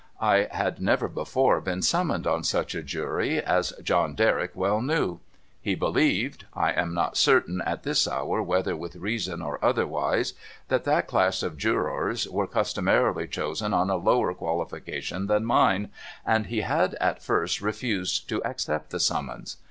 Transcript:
I had never before been sum moned on such a Jury, as John IJcrrick well knew. He believed —• I am not certain at this hour whether with reason or otherwise —■ that that class of Jurors were customarily chosen on a lower qualifi cation than mine, and he had at first refused to accept the summons.